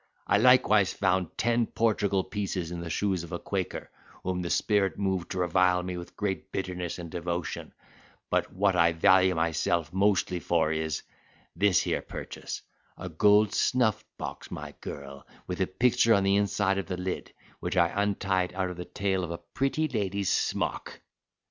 I likewise found ten Portugal pieces in the shoes of a quaker, whom the spirit moved to revile me with great bitterness and devotion; but what I value myself mostly for is, this here purchase, a gold snuffbox, my girl, with a picture on the inside of the lid; which I untied out of the tail of a pretty lady's smock."